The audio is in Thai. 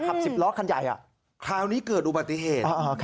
สิบล้อคันใหญ่คราวนี้เกิดอุบัติเหตุ